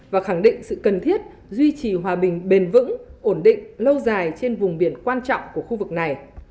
và khẳng định sự cần thiết duy trì hòa bình bền vững ổn định lâu dài trên vùng biển quan trọng của khu vực này